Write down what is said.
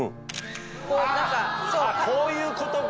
こういうことか。